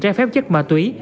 trái phép chất ma túy